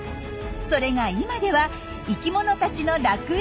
それが今では生きものたちの楽園に。